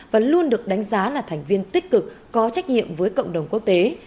và luôn được đánh giá là thành viên tích cực có trách nhiệm với cộng đồng quốc tế